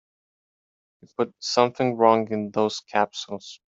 You put something wrong in those capsules.